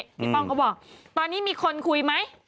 ป้องเขาบอกตอนนี้มีคนคุยไหม